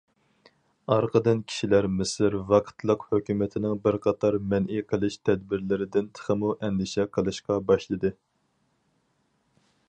ئارقىدىن، كىشىلەر مىسىر ۋاقىتلىق ھۆكۈمىتىنىڭ بىر قاتار مەنئى قىلىش تەدبىرلىرىدىن تېخىمۇ ئەندىشە قىلىشقا باشلىدى.